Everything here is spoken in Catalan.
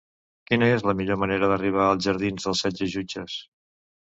Quina és la millor manera d'arribar als jardins d'Els Setze Jutges?